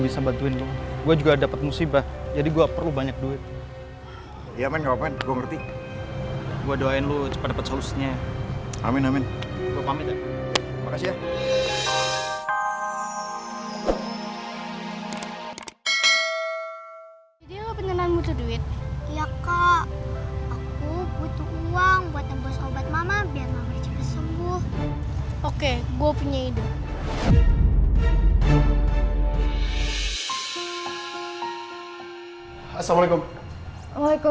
sampai jumpa di video selanjutnya